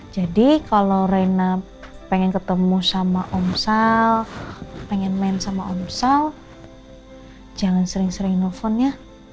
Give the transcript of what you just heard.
jadi kalau rena pengen ketemu sama om sal pengen main sama om sal jangan sering sering nelfon ya